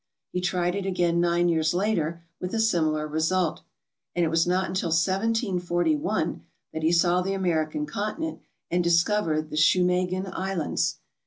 He tried it again nine years later with a similar result, and it was not until 1741 that he saw the American continent and dis covered the Shumagin Islands.